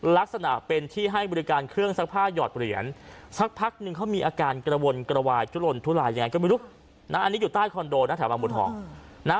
ลักษณะเป็นที่ให้บริการเครื่องซักผ้าหยอดเหรียญสักพักนึงเขามีอาการกระวนกระวายทุลนทุลายยังไงก็ไม่รู้นะอันนี้อยู่ใต้คอนโดนะแถวบางบัวทองนะ